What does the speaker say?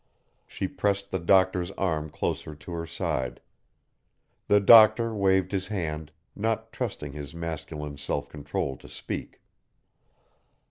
She pressed the Doctor's arm closer to her side. The Doctor waved his hand, not trusting his masculine self control to speak.